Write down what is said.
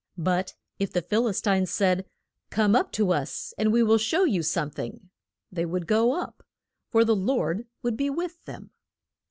But if the Phil is tines said, Come up to us and we will show you some thing, they would go up, for the Lord would be with them.